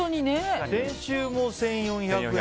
練習も１４００円。